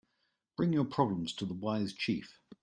Bring your problems to the wise chief.